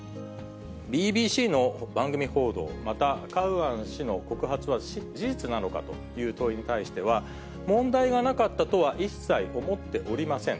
ＢＢＣの番組報道、またカウアン氏の告発は事実なのかという問いに対しては、問題がなかったとは一切思っておりません。